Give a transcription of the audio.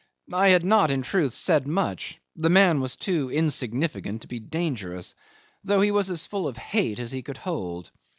I had not, in truth, said much. The man was too insignificant to be dangerous, though he was as full of hate as he could hold.